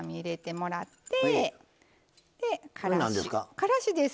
からしです。